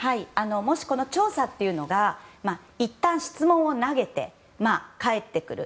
もしこの調査というのがいったん質問を投げて返ってくる。